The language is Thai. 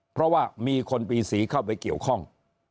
เพราะว่ามีคนปีสีเข้าไปเกี่ยวข้อง